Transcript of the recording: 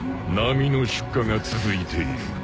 並の出荷が続いている。